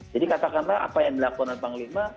jadi katakanlah apa yang dilakukan tni